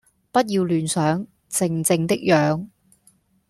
不要亂想，靜靜的養！